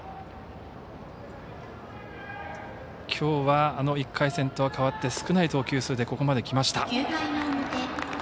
きょうは、１回戦とは変わって少ない投球数でここまできました。